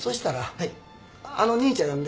はい。